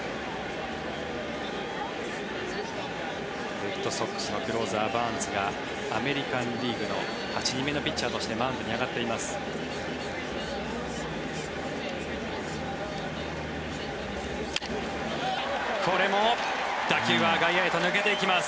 レッドソックスのクローザーバーンズがアメリカン・リーグの８人目のピッチャーとしてマウンドに上がっています。